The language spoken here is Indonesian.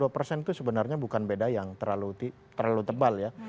dua puluh dua persen itu sebenarnya bukan beda yang terlalu tebal ya